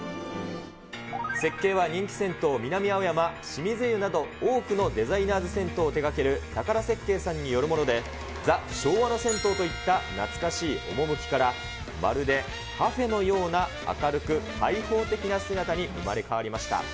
設計は人気銭湯、南青山、清水湯など、多くのデザイナーズ銭湯を手がける宝設計さんによるもので、ザ・昭和の銭湯といった懐かしい趣から、まるでカフェのような明るく開放的な姿に生まれ変わりました。